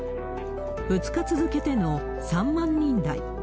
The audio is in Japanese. ２日続けての３万人台。